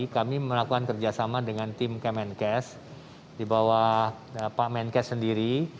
kami melakukan kerjasama dengan tim kemenkes di bawah pak menkes sendiri